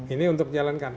ini untuk dijalankan